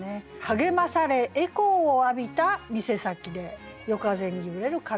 「励まされエコーを浴びた店先で夜風に揺れるカラオケの旗」。